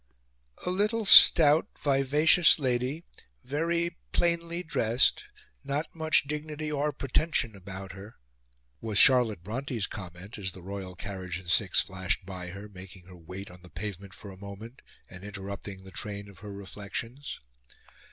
"A little stout, vivacious lady, very plainly dressed not much dignity or pretension about her," was Charlotte Bronte's comment as the royal carriage and six flashed by her, making her wait on the pavement for a moment, and interrupting the train of her reflections.